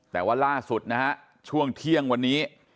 แต่ว่าล่าสุดนะฮะช่วงเที่ยงวันนี้